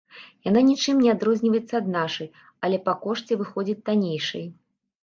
Яна нічым не адрозніваецца ад нашай, але па кошце выходзіць таннейшай.